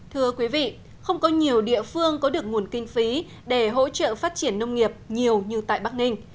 thưa quý vị không có nhiều địa phương có được nguồn kinh phí để hỗ trợ phát triển nông nghiệp nhiều như tại bắc ninh